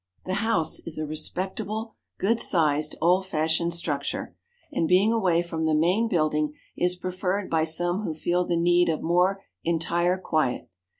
The house is a respectable, good sized, old fashioned structure; and, being away from the main building, is preferred by some who feel the need of more entire quiet.